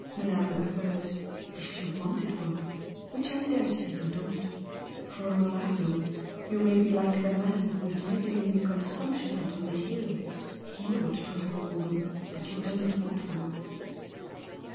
Manella averred "If you wanted one, which I daresay you don't. For all I know, you may be like the man who is living in the consumption hut on the hill, he ought to have a woman, but he doesn't want one."